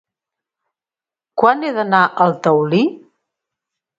Quan he d'anar al Taulí?